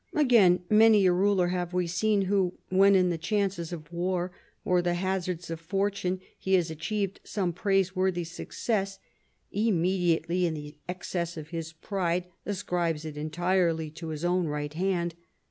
"Again, many a ruler have we seen who, when in the chances of war or the hazards of fortune he has achieved some praiseworthy success, immediately in the excess of his pride ascribes it entirely to his own right hand.